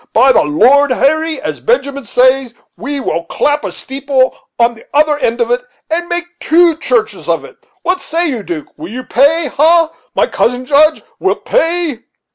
By the Lord Harry, as Benjamin says, we will clap a steeple on the other end of it, and make two churches of it. What say you, 'Duke, will you pay? ha! my cousin Judge, wilt pay?"